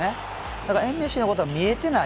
だからエンネシリのことは見えてない。